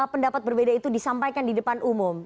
pendapat berbeda itu disampaikan di depan umum